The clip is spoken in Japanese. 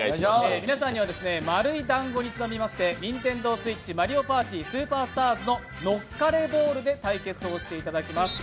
皆さんには丸いだんごにちなみまして、ＮｉｎｔｅｎｄｏＳｗｉｔｃｈ「マリオパーティスーパースターズ」の「のっかれボール」で対決していただきます。